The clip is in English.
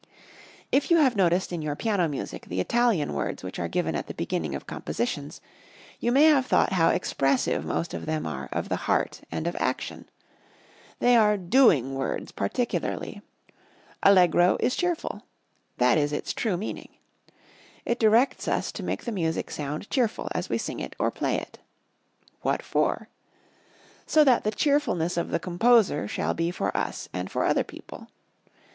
If you have noticed in your piano music the Italian words which are given at the beginning of compositions, you may have thought how expressive most of them are of the heart and of action. They are doing words particularly. Allegro is cheerful; that is its true meaning. It directs us to make the music sound cheerful as we sing it or play it. What for? So that the cheerfulness of the composer shall be for us and for other people.